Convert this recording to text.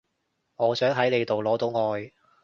我想喺你度攞到愛